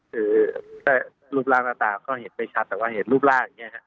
หรือรูปร่างหน้าตาก็เห็นไปชัดแต่ว่าเห็นรูปร่างเนี่ยครับ